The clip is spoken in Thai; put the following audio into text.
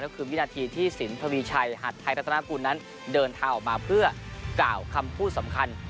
ก็คือวินาทีที่สินทวีชัยหัดไทยรัฐนากุลนั้นเดินทางออกมาเพื่อกล่าวคำพูดสำคัญ